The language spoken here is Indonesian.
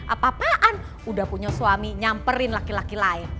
apa apaan udah punya suami nyamperin laki laki lain